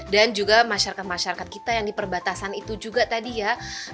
dan juga masyarakat masyarakat kita yang di perbatasan itu juga tadi ya